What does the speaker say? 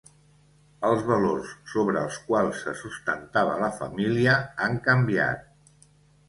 Els valors sobre els quals se sustentava la família han canviat.